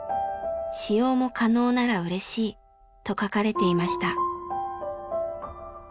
「使用も可能ならうれしい」と書かれていました。